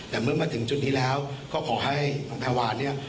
แต่เมื่อมาถึงจุดนี้แล้วก็ขอให้คุณแพรวานเนี่ย